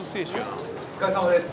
お疲れさまです！